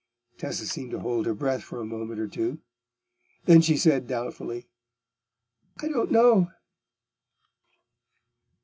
Tessa seemed to hold her breath for a moment or two. Then she said doubtfully, "I don't know."